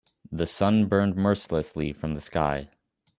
The sun burned mercilessly from the sky.